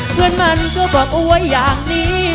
เพื่อนมันก็บอกว่าอยากนี้